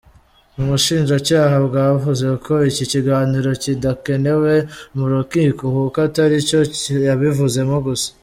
Ubushinjacyaha bwavuze ko iki kiganiro kidakenewe mu rukiko kuko atari cyo yabivuzemo gusa.